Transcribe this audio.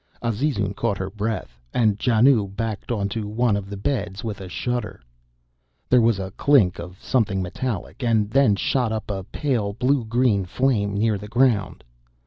Azizun caught her breath, and Janoo backed on to one of the beds with a shudder. There was a clink of something metallic, and then shot up a pale blue green flame near the ground.